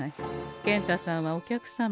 健太さんはお客様。